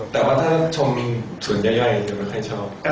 แต่ว่าถ้าชมส่วนใหญ่ไม่เคยชม